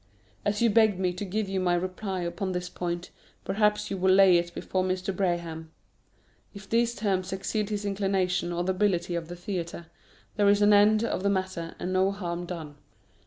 As you begged me to give you my reply upon this point, perhaps you will lay it before Mr. Braham. If these terms exceed his inclination or the ability of the theatre, there is an end of the matter, and no harm done.